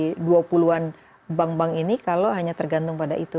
jadi menurut saya ini berat bagi mereka di dua puluh an bank bank ini kalau hanya tergantung pada itu